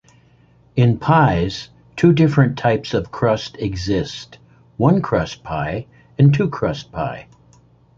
In pies, two different types of crust exist: one-crust pie and two-crust pie.